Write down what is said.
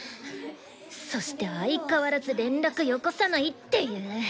そして相変わらず連絡よこさないっていう。